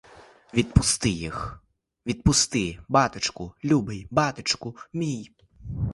Відпусти їх, відпусти, батечку любий, батечку мій.